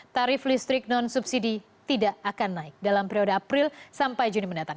tarif listrik non subsidi tidak akan naik dalam periode april sampai juni mendatang